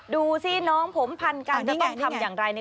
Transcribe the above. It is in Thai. ดูสิน้องผมพันกันจะต้องทำอย่างไร